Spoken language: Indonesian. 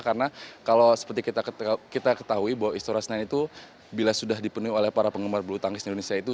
karena kalau seperti kita ketahui bahwa istora senayan itu bila sudah dipenuhi oleh para penggemar bulu tangkis di indonesia itu